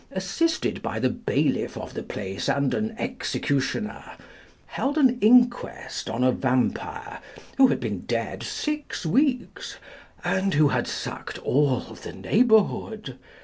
assisted by the bailiff of the place and an executioner, held an inquest on a vampire, who had been dead six weeks, and who had sucked all the neighborhood.